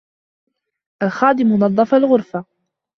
الْخَادِمُ نَظَّفَ الْغُرْفَةَ.